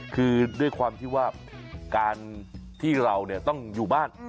คือด้วยความที่ว่าการที่เราต้องอยู่บ้าน